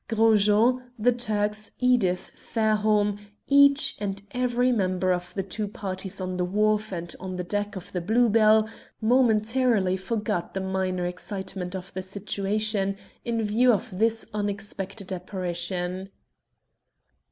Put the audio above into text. Gros Jean, the Turks, Edith, Fairholme each and every member of the two parties on the wharf and on the deck of the Blue Bell momentarily forgot the minor excitement of the situation in view of this unexpected apparition.